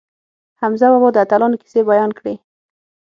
حمزه بابا د اتلانو کیسې بیان کړې.